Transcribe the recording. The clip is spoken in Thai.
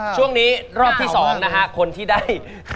ช่วงนี้รอบที่๒นะฮะคนที่ได้